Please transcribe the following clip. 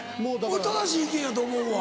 正しい意見やと思うわ。